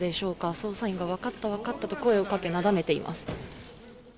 捜査員が分かった、分かったと声をかけ、なだめています。